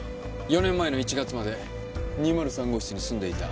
４年前の１月まで２０３号室に住んでいた。